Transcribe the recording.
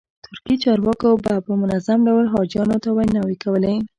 ترکي چارواکو به په منظم ډول حاجیانو ته ویناوې کولې.